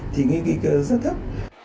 thì cái nguy cơ rất thấp